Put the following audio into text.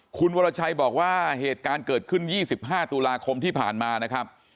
คุณวรชัยบอกว่าเหตุการณ์เกิดขึ้น๒๕ตุลาคมที่ผ่านมานะครับ